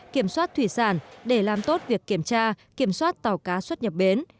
kiểm soát thủy sản để làm tốt việc kiểm tra kiểm soát tàu cá xuất nhập bến